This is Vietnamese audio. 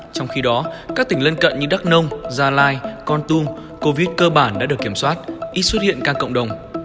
trong khi đó các tỉnh lân cận như đắk nông gia lai con tum covid cơ bản đã được kiểm soát ít xuất hiện ca cộng đồng